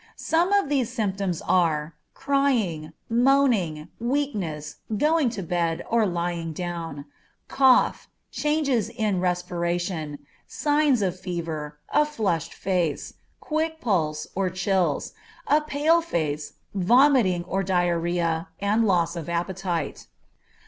Some of these symptoms are, crying, moaning, weakness, going to bed, or lying down, cough, changes in respiration, signs of fever, a flushed face, quick pulse, or chills, a pale face, vomiting, or diarrhoea, and loss of appetite.